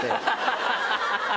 ハハハハ！